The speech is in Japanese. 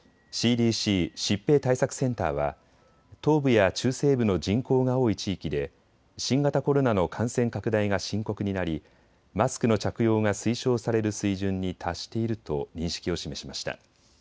ＣＤＣ・疾病対策センターは東部や中西部の人口が多い地域で新型コロナの感染拡大が深刻になりマスクの着用が推奨される水準に達していると認識を示しました。